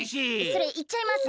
それいっちゃいます！？